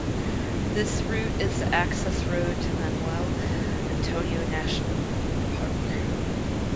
This route is the access road to Manuel Antonio National Park.